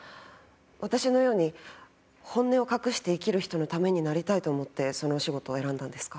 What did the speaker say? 私のように本音を隠して生きる人のためになりたいと思ってそのお仕事を選んだんですか？